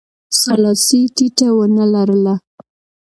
سلاسي ټیټه ونه لرله.